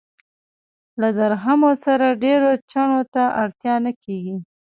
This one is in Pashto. له درهمو سره ډېرو چنو ته اړتیا نه کېږي.